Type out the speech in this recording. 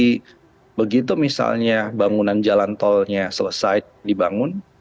jadi begitu misalnya bangunan jalan tolnya selesai dibangun